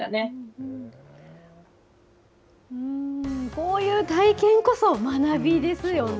こういう体験こそ、学びですよね。